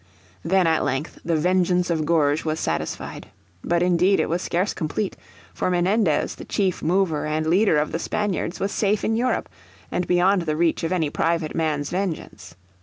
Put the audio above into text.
Then at length the vengeance of Gourges was satisfied. But indeed it was scarce complete, for Menendez the chief over and leader of the Spaniards was safe in Europe, and beyond the reach of any private man's vengeance.